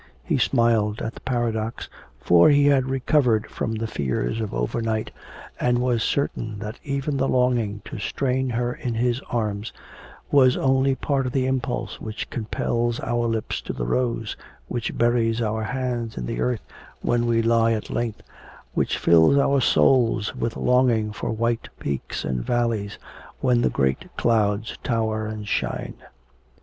He smiled at the paradox, for he had recovered from the fears of overnight and was certain that even the longing to strain her in his arms was only part of the impulse which compels our lips to the rose, which buries our hands in the earth when we lie at length, which fills our souls with longing for white peaks and valleys when the great clouds tower and shine.